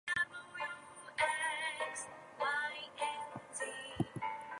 From Brayford Pool the Fossdyke Navigation links to the Trent.